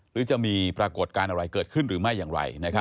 หรือจะมีปรากฏการณ์อะไรเกิดขึ้นหรือไม่อย่างไร